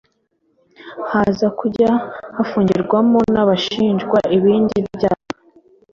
haza kujya hafungirwamo n’abashinjwa ibindi byaha